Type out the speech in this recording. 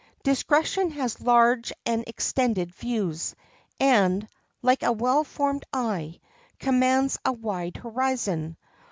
Discretion has large and extended views, and, like a well formed eye, commands a wide horizon.